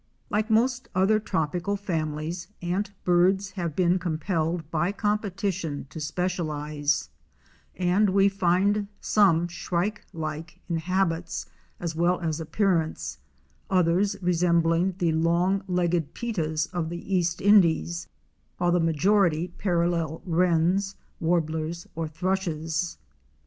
Like most other tropical families, Antbirds have been compelled by competition to specialize, and we find some Shrike like in habits as well as appearance; others resembling the long legged Pittas of the East Indies, while the majority parallel Wrens, Warblers or Thrushes.